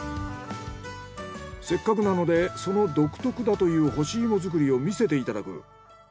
せっかくなのでその独特だという干し芋作りを見せて頂く。